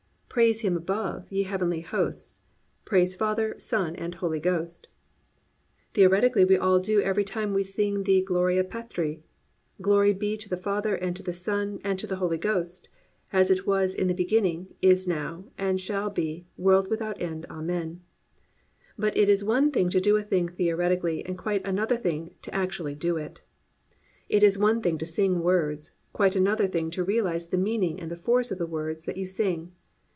Praise Him above, ye heavenly hosts, Praise Father, Son and Holy Ghost." Theoretically we all do every time we sing the Gloria Patri: "Glory be to the Father and to the Son and to the Holy Ghost. As it was in the beginning, is now, and ever shall be, world without end. Amen." But it is one thing to do a thing theoretically and quite another thing to actually do it. It is one thing to sing words, quite another thing to realise the meaning and the force of the words that you sing.